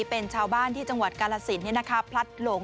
เป็นชาวบ้านที่จังหวัดกาลสินพลัดหลง